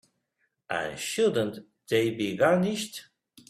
And shouldn't they be garnished?